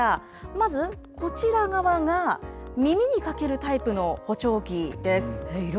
まず、こちら側が、耳に掛けるタイプの補聴器です。